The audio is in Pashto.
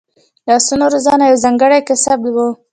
د اسونو روزنه یو ځانګړی کسب و